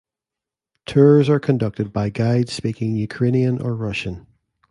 Tours are conducted by guides speaking Ukrainian or Russian.